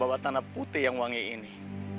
dan membawa tanah putih yang wangi ini